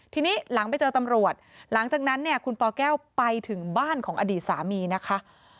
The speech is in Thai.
ทีนี้หลังไปเจอตำรวจหลังจากนั้นเนี่ยคุณปแก้วไปถึงบ้านของอดีตสามีนะคะ